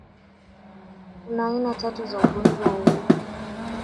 Kuna aina tatu za ugonjwa huu